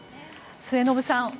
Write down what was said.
末延さん